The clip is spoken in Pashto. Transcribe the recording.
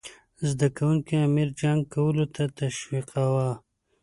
زده کوونکي امیر جنګ کولو ته تشویقاووه.